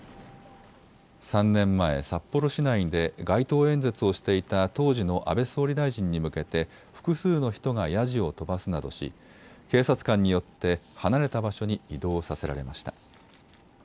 ３年前、札幌市内で街頭演説をしていた当時の安倍総理大臣に向けて複数の人がやじを飛ばすなどし警察官によって離れた場所に移動させられました。